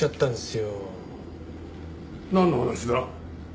なんの話だ？